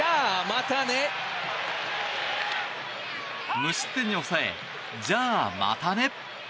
無失点に抑えじゃあまたね！